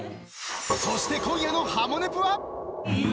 ［そして今夜の『ハモネプ』は！］